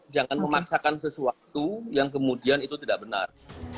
jangan memaksakan sesuatu yang kemudian itu tidak benar